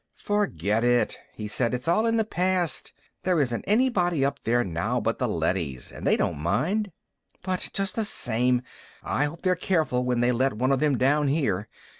"Forget it," he said. "It's all in the past. There isn't anybody up there now but the leadys, and they don't mind." "But just the same, I hope they're careful when they let one of them down here.